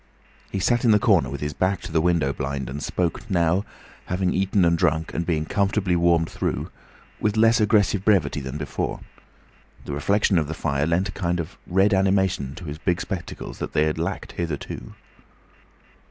He sat in the corner with his back to the window blind and spoke now, having eaten and drunk and being comfortably warmed through, with less aggressive brevity than before. The reflection of the fire lent a kind of red animation to his big spectacles they had lacked hitherto.